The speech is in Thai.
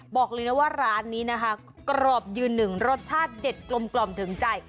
บอกเลยนะว่าร้านนี้นะคะกรอบยืนหนึ่งรสชาติเด็ดกลมถึงใจ